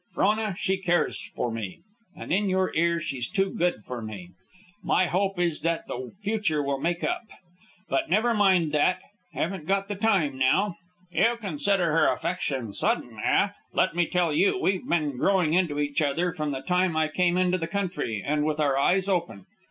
Frona, she cares for me, and in your ear, she's too good for me. My hope is that the future will make up. But never mind that haven't got the time now. "You consider her affection sudden, eh? Let me tell you we've been growing into each other from the time I came into the country, and with our eyes open.